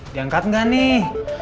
diangkat gak nih